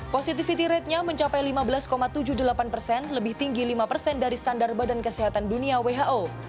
positivity ratenya mencapai lima belas tujuh puluh delapan persen lebih tinggi lima persen dari standar badan kesehatan dunia who